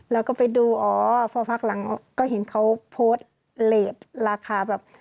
แล้วก็ไปดูอ๋อพอพักหลังก็เห็นเขาโพสต์เลสราคาแบบ